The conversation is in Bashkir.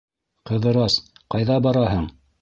— Ҡыҙырас, ҡайҙа бараһың?